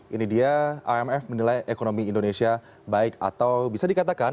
ini dia imf menilai ekonomi indonesia baik atau bisa dikatakan